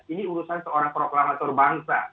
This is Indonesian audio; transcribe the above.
ini urusan seorang proklamator bangsa